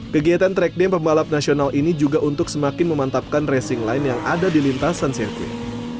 kegiatan track day pembalap nasional ini juga untuk semakin memantapkan racing line yang ada di lintasan sirkuit